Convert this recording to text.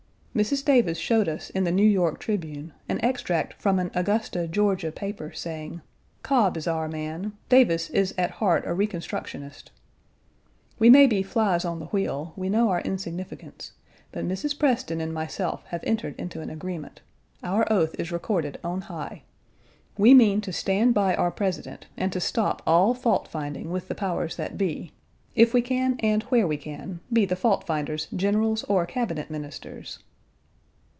Mrs. Davis showed us in The New York Tribune an extract from an Augusta (Georgia) paper saying, "Cobb is our man. Davis is at heart a reconstructionist." We may be Page 104 flies on the wheel, we know our insignificance; but Mrs. Preston and myself have entered into an agreement; our oath is recorded on high. We mean to stand by our President and to stop all fault finding with the powers that be, if we can and where we can, be the fault finders generals or Cabinet Ministers.